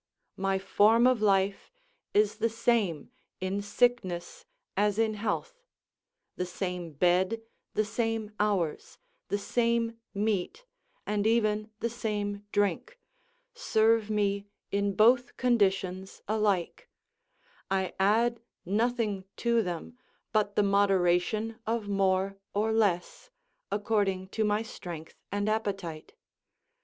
My form of life is the same in sickness as in health; the same bed, the same hours, the same meat, and even the same drink, serve me in both conditions alike; I add nothing to them but the moderation of more or less, according to my strength and appetite.